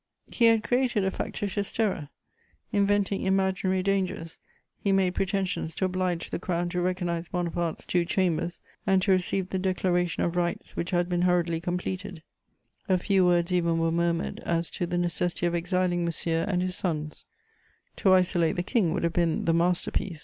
He had created a factitious terror: inventing imaginary dangers, he made pretensions to oblige the Crown to recognise Bonaparte's two Chambers and to receive the Declaration of Rights which had been hurriedly completed; a few words even were murmured as to the necessity of exiling Monsieur and his sons: to isolate the King would have been the masterpiece.